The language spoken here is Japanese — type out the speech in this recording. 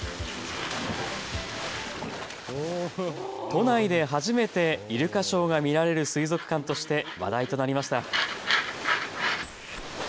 都内で初めてイルカショーが見られる水族館として話題となりました。